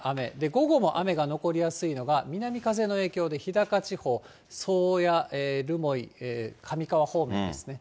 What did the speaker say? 午後も雨が残りやすいのが、南風の影響で日高地方、宗谷、留萌、上川方面ですね。